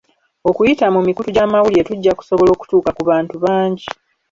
Okuyita mu mikutu gy'amawulire tujja kusobola okutuuka ku bantu bangi.